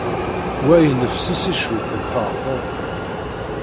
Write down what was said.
Wa yennefsusi cwiṭ deg tɛebbuḍt-iw.